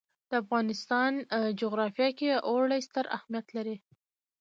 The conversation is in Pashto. د افغانستان جغرافیه کې اوړي ستر اهمیت لري.